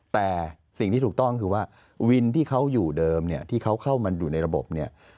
แต่สิ่งที่ถูกต้องคือว่าวินที่เขาอยู่เดิมเนี่ยที่เขาเข้ามาอยู่ในระบบเนี่ย